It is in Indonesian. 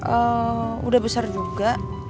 eee udah besar juga